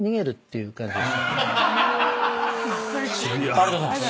ありがとうございます。